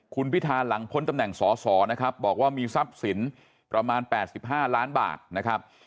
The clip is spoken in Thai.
คุณพิธาหลังพ้นตำแหน่งสอสอนะครับบอกว่ามีทรัพย์สินประมาณ๘๕ล้านบาทนะครับ